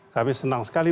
kami senang sekali